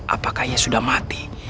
apakah ia sudah mati